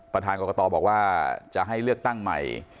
ประธานกรกตบอกว่าจะให้เลือกตั้งใหม่